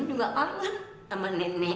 min juga angin sama nenek